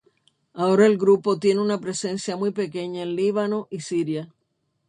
Ahora el grupo tiene una presencia muy pequeña en Líbano y Siria.